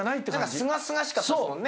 すがすがしかったっすもんね。